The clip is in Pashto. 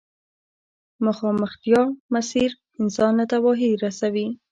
مخامختيا مسير انسان له تباهي رسوي.